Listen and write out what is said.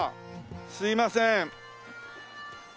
すいません。